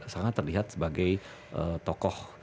sangat terlihat sebagai tokoh